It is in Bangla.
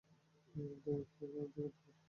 তাই এটা থেকে দূরে থাকি।